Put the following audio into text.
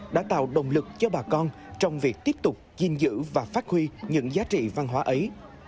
đã tạo động lực cho bà con trong việc tiếp tục gìn giữ và phát huy những giá trị văn hóa ấy